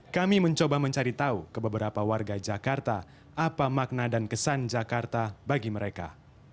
kami mencoba mencari tahu ke beberapa warga jakarta apa makna dan kesan jakarta bagi mereka